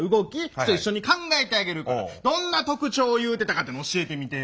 ちょっと一緒に考えてあげるからどんな特徴を言うてたかっていうの教えてみてよ。